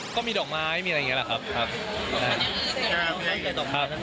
ก็มีดอกไม้มีอะไรอย่างเงี้แหละครับครับ